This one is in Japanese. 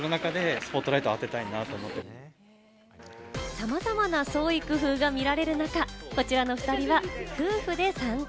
さまざまな創意工夫が見られる中、こちらの２人は夫婦で参加。